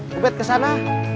kebet ke sana